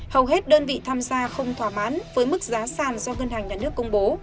hầu hết đơn vị tham gia không thỏa mãn với mức giá sàn do ngân hàng nhà nước công bố